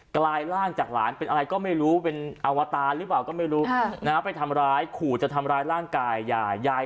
กลายร่างจากหลานเป็นอะไรก็ไม่รู้เป็นอวตารหรือเปล่าก็ไม่รู้นะไปทำร้ายขู่จะทำร้ายร่างกายยายยาย